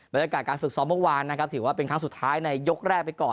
บรรยากาศการฝึกซ้อมเมื่อวานนะครับถือว่าเป็นครั้งสุดท้ายในยกแรกไปก่อน